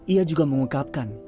ia juga mengungkapkan